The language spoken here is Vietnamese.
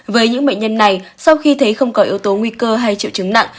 với những bệnh nhân này sau khi thấy không có yếu tố nguy cơ hay triệu chứng nặng